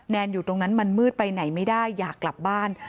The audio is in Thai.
อยู่ตรงนั้นมันมืดไปไหนไม่ได้อยากกลับบ้าน